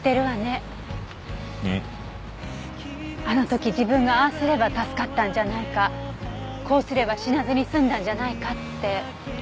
あの時自分がああすれば助かったんじゃないかこうすれば死なずに済んだんじゃないかって。